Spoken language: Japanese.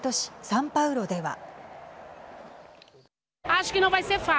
サンパウロでは。